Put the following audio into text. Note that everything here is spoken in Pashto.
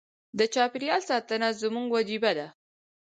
د چاپیریال ساتنه زموږ وجیبه ده.